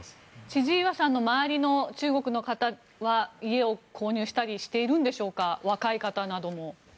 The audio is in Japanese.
千々岩さんの周りの中国の方は家を購入したりしているんでしょうか？